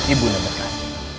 ibu nebuk rai